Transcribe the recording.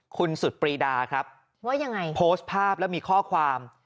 คุณสุดปรีดาครับว่ายังไงโพสต์ภาพแล้วมีข้อความ